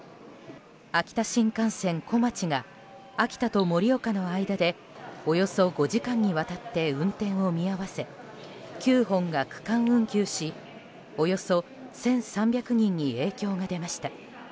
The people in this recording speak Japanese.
秋田新幹線「こまち」が秋田と盛岡の間でおよそ５時間にわたって運転を見合わせ９本が区間運休しおよそ１３００人に影響が出ました。